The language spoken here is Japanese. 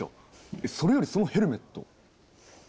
えっそれよりそのヘルメット？